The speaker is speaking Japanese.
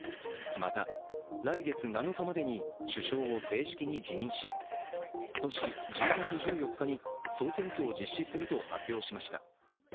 また来月７日までに首相を正式に辞任し今年１０月１４日に総選挙を実施すると発表しました。